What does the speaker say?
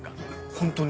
ホントに？